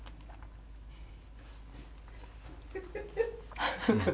ハハハハ。